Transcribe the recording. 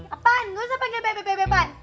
apaan nggak usah panggil beb beb beb an